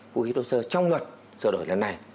vũ khí thô sơ trong luật sửa đổi lần này